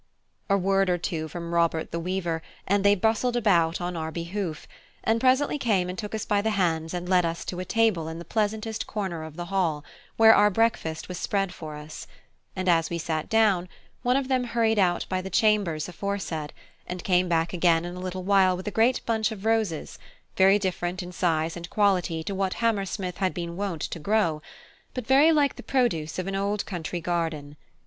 A word or two from Robert the weaver, and they bustled about on our behoof, and presently came and took us by the hands and led us to a table in the pleasantest corner of the hall, where our breakfast was spread for us; and, as we sat down, one of them hurried out by the chambers aforesaid, and came back again in a little while with a great bunch of roses, very different in size and quality to what Hammersmith had been wont to grow, but very like the produce of an old country garden.